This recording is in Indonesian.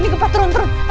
ini gempa ini gempa